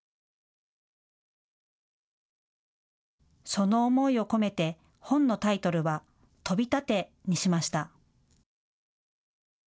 その思いを込めて本のタイトルはトビタテ！にしました。